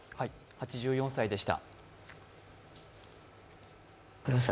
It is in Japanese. ８４歳でした。